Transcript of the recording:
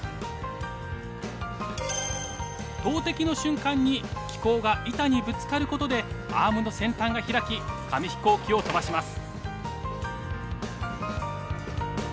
投てきの瞬間に機構が板にぶつかることでアームの先端が開き紙飛行機を飛ばします。